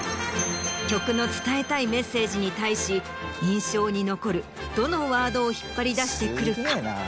曲の伝えたいメッセージに対し印象に残るどのワードを引っ張り出してくるか。